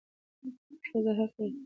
ښځه حق لري چې د بد چلند مخه ونیسي.